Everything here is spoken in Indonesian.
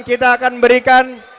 kita akan berikan